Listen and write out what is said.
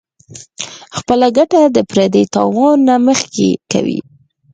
خپله ګټه د پردي تاوان نه مخکې کوي -